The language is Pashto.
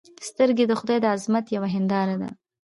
سترګې د خدای د عظمت یوه هنداره ده